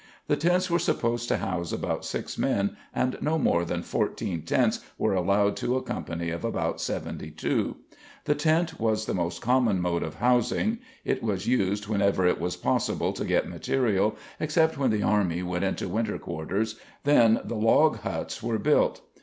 The tents were supposed to house about six men and no more than fourteen tents were allowed to a company of about seventy two. The tent was the most common mode of housing. It was used whenever it was possible to get material except when the army went into winter quarters then the log huts were built.